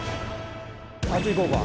あっち行こうか。